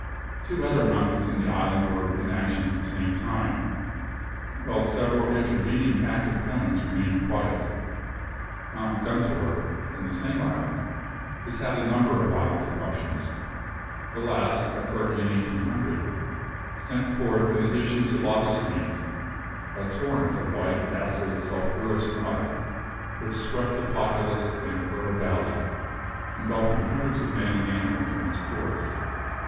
Two other mountains in the island were in action at the same time; while several intervening active cones remained quiet. Mt. Guntur, in the same island, has had a number of violent eruptions. The last, occurring in 1800, sent forth in addition to lava streams, a torrent of white, acid, sulphurous mud, which swept a populous and fertile valley, engulfing hundreds of men and animals in its course.